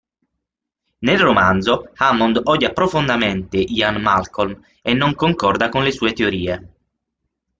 Nel romanzo, Hammond odia profondamente Ian Malcolm e non concorda con le sue teorie.